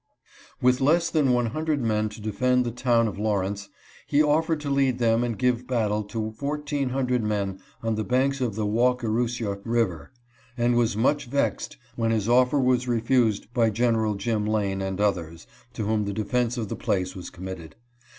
With less than 100 men to defend the town of Lawrence, he offered to lead them and give battle to 1,400 men on the banks of the Waukerusia river, and was much vexed when his offer was refused by General Jim Lane and others, to whom the defense of the place was committed.